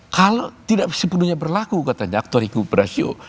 kalau tidak sepenuhnya berlaku katanya actore incubit probatio